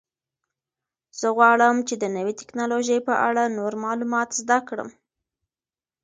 زه غواړم چې د نوې تکنالوژۍ په اړه نور معلومات زده کړم.